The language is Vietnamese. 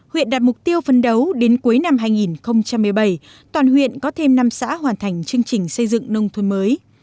huyện đạt mục tiêu phân đấu đến cuối năm hai nghìn một mươi bảy toàn huyện có thêm năm xã hoàn thành chương trình xây dựng nông thôn mới